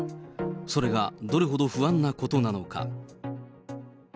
それがどれほど不安なことなのか。